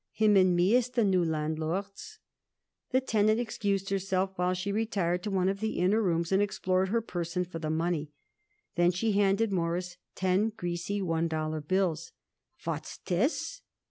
"Him and me is the new landlords." The tenant excused herself while she retired to one of the inner rooms and explored her person for the money. Then she handed Morris ten greasy one dollar bills. "What's this?"